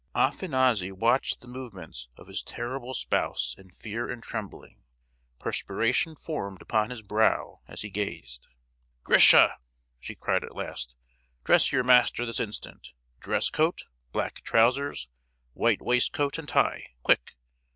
Afanassy watched the movements of his terrible spouse in fear and trembling; perspiration formed upon his brow as he gazed. "Grisha!" she cried at last, "dress your master this instant! Dress coat, black trousers, white waistcoat and tie, quick!